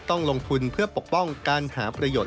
ต้องลงทุนเพื่อปกป้องการหาประโยชน